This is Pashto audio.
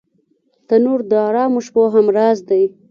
تنور د ارامو شپو همراز دی